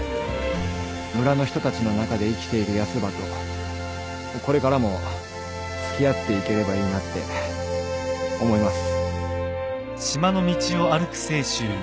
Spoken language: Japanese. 村の人たちの中で生きているヤスばとこれからも付き合っていければいいなって思います。